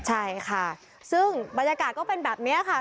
ใช่ค่ะซึ่งบรรยากาศก็เป็นแบบนี้ค่ะ